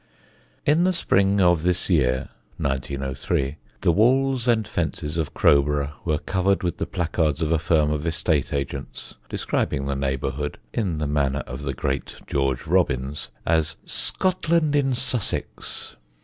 In the spring of this year (1903) the walls and fences of Crowborough were covered with the placards of a firm of estate agents describing the neighbourhood (in the manner of the great George Robins) as "Scotland in Sussex."